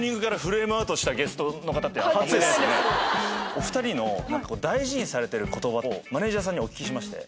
お２人の大事にされてる言葉をマネジャーさんにお聞きしまして。